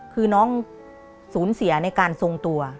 คือน้องสูญเสียในการทรงตัว